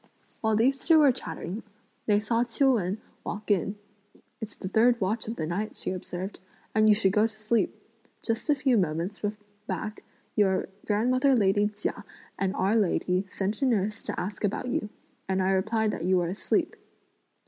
While these two were chatting, they saw Ch'iu Wen walk in. "It's the third watch of the night," she observed, "and you should go to sleep. Just a few moments back your grandmother lady Chia and our lady sent a nurse to ask about you, and I replied that you were asleep."